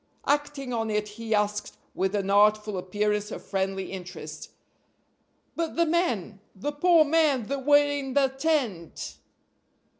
Acting on it he asked, with an artful appearance of friendly interest: "But the men? the poor men that were in the tent?"